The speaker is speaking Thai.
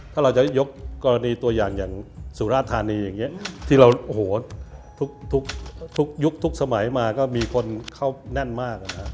ถ้าเราจะยกกรณีตัวอย่างอย่างสุราธารณีอย่างนี้ที่ยุคทุกสมัยมาก็มีคนเข้าแน่นมาก